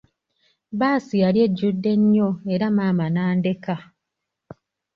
Bbaasi yali ejjude nnyo, era maama n'andeka.